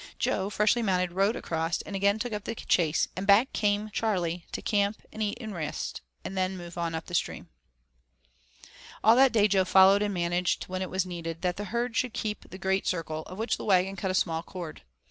Jo, freshly mounted, rode across, and again took up the chase, and back came Charley to camp to eat and rest, and then move on up stream. All that day Jo followed, and managed, when it was needed, that the herd should keep the great circle, of which the wagon cut a small chord.